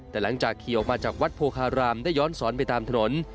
แต่หลังจากขี่ออกมาจากวัดโพคารามได้ย้อนสอนไปตามถนน